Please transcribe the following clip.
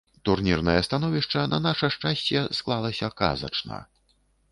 Турнірнае становішча, на наша шчасце, склалася казачна.